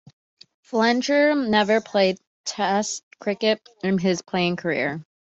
Fletcher never played Test cricket in his playing career.